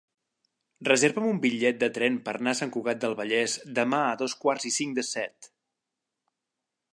Reserva'm un bitllet de tren per anar a Sant Cugat del Vallès demà a dos quarts i cinc de set.